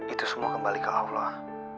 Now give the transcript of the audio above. itu semua kembali ke allah